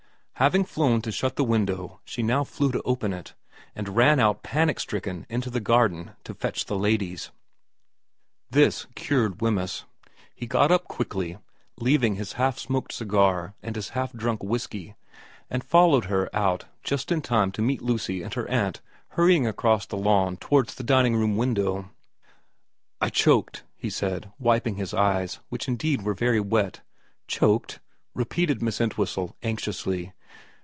Having flown to shut the window she now flew to open it, and ran out panic stricken into the garden to fetch the ladies. This cured Wemyss. He got up quickly, leaving his half smoked cigar and his half drunk whisky, and followed her out just in time to meet Lucy and her aunt hurrying across the lawn towards the dining room window. 42 VERA iv * I choked,' he said, wiping his eyes, which indeed were very wet. ' Choked ?' repeated Miss Entwhistle anxiously.